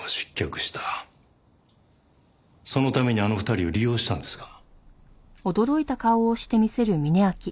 そのためにあの２人を利用したんですか？